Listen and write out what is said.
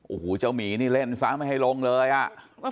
โอ้โฮเจ้ามีนี่เล่นสามารถไม่ให้ลงเลยอ่ะ